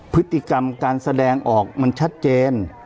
พฤติกรรมการแสดงออกมันชัดเจน